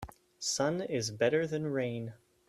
Sun is better than rain.